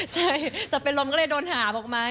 ใช่จะเป็นลมก็เลยโดนหาบอกมา